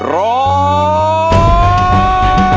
ร้อง